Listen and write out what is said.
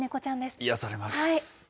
癒やされます。